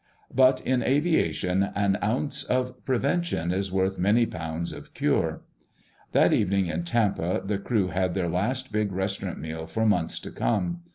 But in aviation, an ounce of prevention is worth many pounds of cure. That evening in Tampa the crew had their last big restaurant meal for months to come.